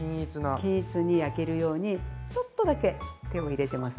均一に焼けるようにちょっとだけ手を入れてます。